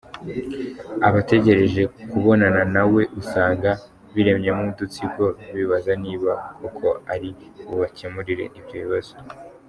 Abategereje kubonana na we usanga biremyemo udutsiko bibaza niba koko ari bubakemurire ibyo bibazo.